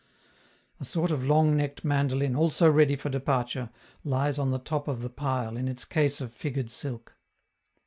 A sort of long necked mandolin, also ready for departure, lies on the top of the pile in its case of figured silk.